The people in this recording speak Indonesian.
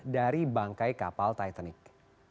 dari bangkai kapal titanic